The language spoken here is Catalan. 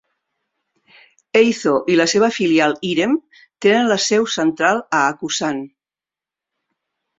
Eizo i la seva filial, Irem, tenen la seu central a Hakusan.